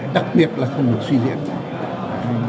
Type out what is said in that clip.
đặc biệt là không được suy diễn